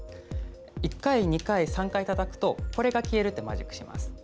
１回、２回、３回たたくとこれが消えるマジックをします。